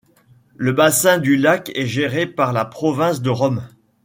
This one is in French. Le bassin du lac est géré par la province de Rome.